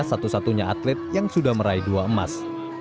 satu satunya atlet yang sudah meraih dua emas